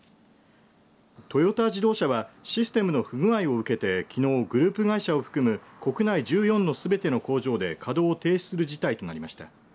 トヨタ自動車はシステムの不具合を受けてきのう、グループ会社を含む国内１４のすべての工場で稼働を停止する事態となりました。